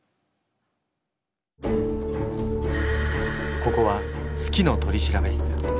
ここは「好きの取調室」。